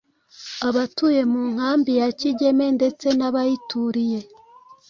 abatuye mu nkambi ya Kigeme ndetse n’abayituriye.